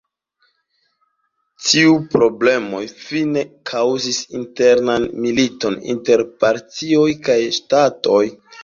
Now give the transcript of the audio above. Tiu problemoj fine kaŭzis internan militon inter partioj kaj ŝtatoj.